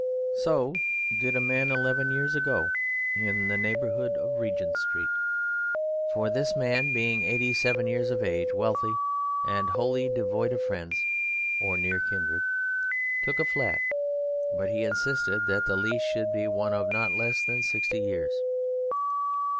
So did a man eleven years ago in the neighbourhood of Regent Street, for this man, being eighty seven years of age, wealthy, and wholly devoid of friends, or near kindred, took a flat, but he insisted that the lease should be one of not less than sixty years.